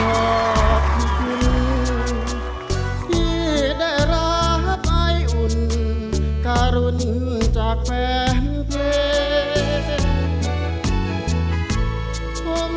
ขอบคุณที่ได้รับไออุ่นการุณจากแฟนเพลง